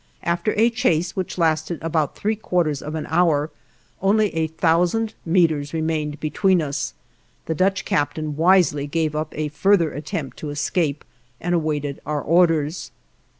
After a chase which lasted about three quarters of an hour only a thousand meters remained between us. The Dutch captain wisely gave up a further attempt to escape, and awaited our orders.